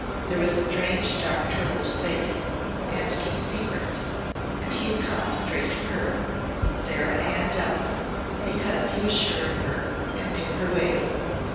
There was strange dark trouble to face and keep secret and he had come straight to her Sarah Ann Dowson because he was sure of her and knew her ways.